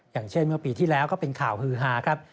อย่างเช่นเมื่อปีที่แล้วก็เป็นข่าวฮือฮาครับ